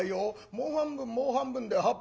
もう半分もう半分で８杯か。